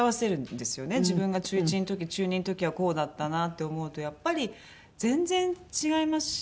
自分が中１の時中２の時はこうだったなって思うとやっぱり全然違いますし。